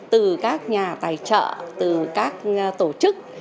từ các nhà tài trợ từ các tổ chức